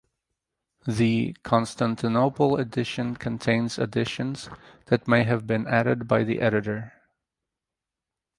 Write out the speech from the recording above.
The Constantinople edition contains additions that may have been added by the editor.